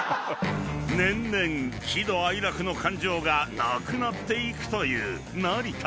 ［年々喜怒哀楽の感情がなくなっていくという成田さん］